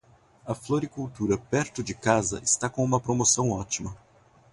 A floricultura perto de casa está com uma promoção ótima.